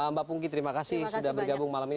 mbak pungki terima kasih sudah bergabung malam ini